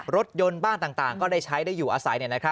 รถยนต์บ้านต่างก็ได้ใช้ได้อยู่อาศัย